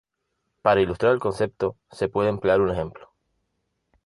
Para ilustrar el concepto, se puede emplear un ejemplo.